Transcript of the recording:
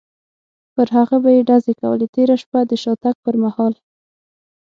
پر هغه به یې ډزې کولې، تېره شپه د شاتګ پر مهال.